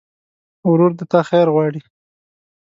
ورور د تا خیر غواړي.